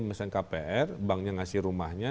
mesin kpr banknya ngasih rumahnya